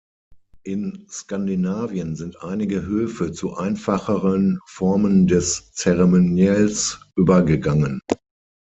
In Skandinavien sind einige Höfe zu einfacheren Formen des Zeremoniells übergegangen.